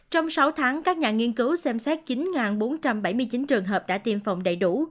trong sáu tháng các nhà nghiên cứu xem xét chín bốn trăm bảy mươi chín trường hợp đã tiêm phòng đầy đủ